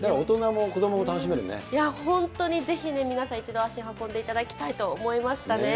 いや、本当にぜひね、皆さん、一度足運んでいただきたいなと思いましたね。